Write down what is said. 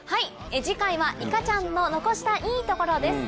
次回はいかちゃんの残したいトコロです。